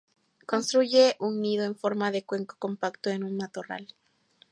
Construye un nido en forma de cuenco compacto en un matorral.